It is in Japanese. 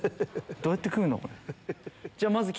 どうやって食うの？